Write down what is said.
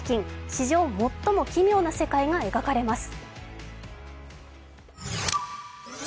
史上最も奇妙な世界が描かれます。